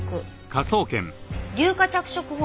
硫化着色法。